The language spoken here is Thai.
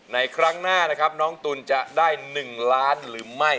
ครั้งหน้านะครับน้องตุ๋นจะได้๑ล้านหรือไม่